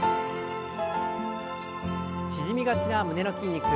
縮みがちな胸の筋肉。